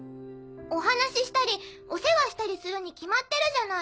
お話ししたりお世話したりするに決まってるじゃない。